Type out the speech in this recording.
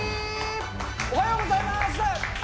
おはようございます。